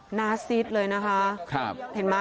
หน้าซิดเลยนะคะ